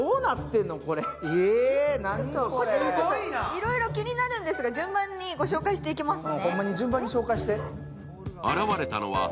いろいろ気になるんですが、順番にご紹介していきますね。